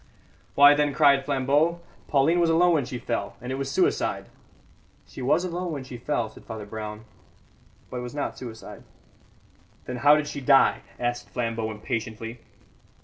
"Why, then," cried Flambeau, "Pauline was alone when she fell, and it was suicide!" "She was alone when she fell," said Father Brown, "but it was not suicide." "Then how did she die?" asked Flambeau impatiently.